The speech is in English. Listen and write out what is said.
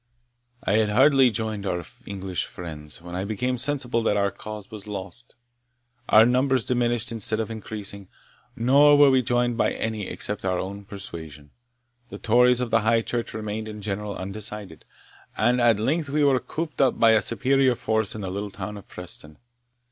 "I had hardly joined our English friends, when I became sensible that our cause was lost. Our numbers diminished instead of increasing, nor were we joined by any except of our own persuasion. The Tories of the High Church remained in general undecided, and at length we were cooped up by a superior force in the little town of Preston.